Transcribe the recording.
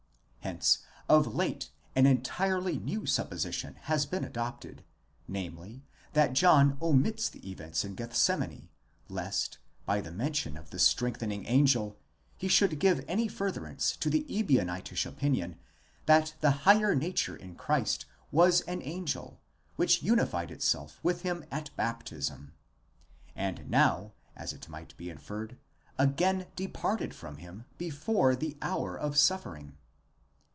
Hence of late an entirely new supposition has been adopted, namely, that John omits the events in Geth semane lest, by the mention of the strengthening angel, he should give any furtherance to the Ebionitish opinion that the higher nature in Christ was an angel, which united itself with him at baptism ; and now as it might be inferred, again departed from him before the hour of suffering.